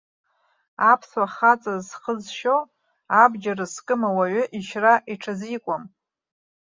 Аԥсуа хаҵас зхы зшьо, аб-џьар зкым ауаҩы ишьра иҽазикуам.